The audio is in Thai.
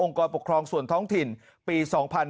กรปกครองส่วนท้องถิ่นปี๒๕๕๙